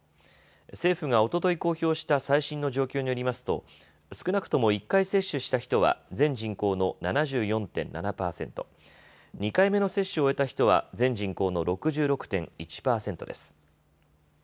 政府がおととい公表した最新の状況によりますと少なくとも１回接種した人は全人口の７４．７％、２回目の接種を終えた人は全人口の６６．１％です。